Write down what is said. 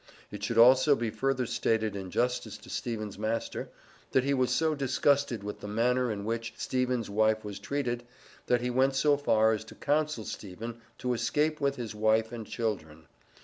It should also be further stated in justice to Stephen's master, that he was so disgusted with the manner in which Stephen's wife was treated, that he went so far as to counsel Stephen to escape with his wife and children.